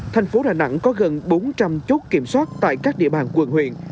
thành phố đà nẵng có gần bốn trăm linh chốt kiểm soát tại các địa bàn quận huyện